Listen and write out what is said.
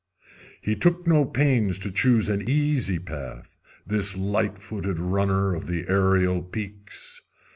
He took no pains to choose an easy path, this light foot runner of the aërial peaks.